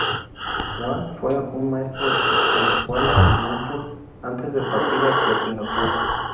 Huang fue un maestro en Kuala Lumpur antes de partir hacia Singapur.